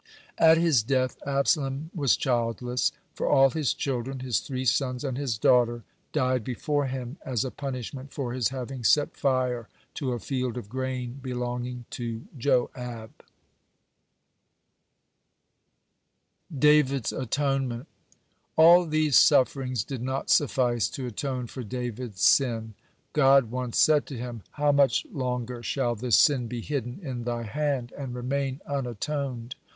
(107) At his death Absalom was childless, for all his children, his three sons and his daughter, died before him, as a punishment for his having set fire to a field of grain belonging to Joab. (108) DAVID'S ATONEMENT All these sufferings did not suffice to atone for David's sin. God once said to him: "How much longer shall this sin be hidden in thy hand and remain unatoned?